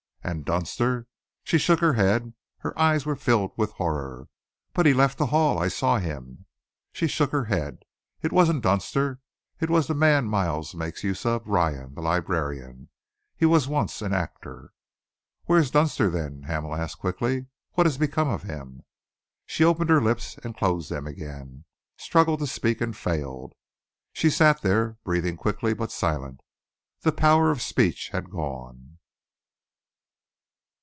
"And Dunster?" She shook her head. Her eyes were filled with horror. "But he left the Hall I saw him!" She shook her head. "It wasn't Dunster. It was the man Miles makes use of Ryan, the librarian. He was once an actor." "Where is Dunster, then?" Hamel asked quickly. "What has become of him?" She opened her lips and closed them again, struggled to speak and failed. She sat there, breathing quickly, but silent. The power of speech had gone.